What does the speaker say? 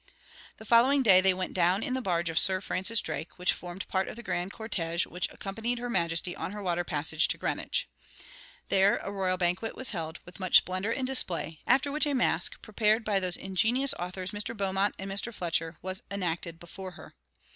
The following day they went down in the barge of Sir Francis Drake, which formed part of the grand cortege which accompanied her majesty on her water passage to Greenwich. There a royal banquet was held, with much splendor and display; after which a masque, prepared by those ingenious authors Mr. Beaumont and Mr. Fletcher, was enacted before her.